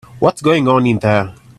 What's going on in there?